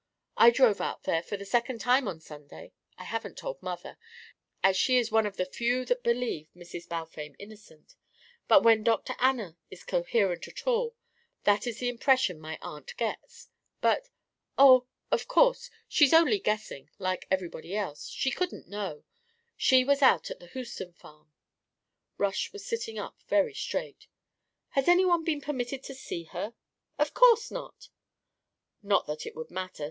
I drove out there for the second time on Sunday. I haven't told Mother, as she is one of the few that believe Mrs. Balfame innocent but when Dr. Anna is coherent at all, that is the impression my aunt gets but Oh of course she's only guessing like everybody else. She couldn't know she was out at the Houston farm " Rush was sitting up very straight. "Has any one been permitted to see her?" "Of course not." "Not that it would matter.